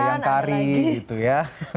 bayangkari gitu ya